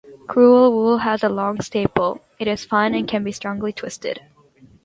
Crewel wool has a long staple; it is fine and can be strongly twisted.